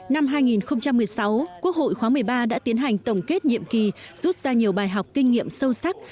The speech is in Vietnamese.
năm hai nghìn một mươi sáu quốc hội khóa một mươi ba đã tiến hành tổng kết nhiệm kỳ rút ra nhiều bài học kinh nghiệm sâu sắc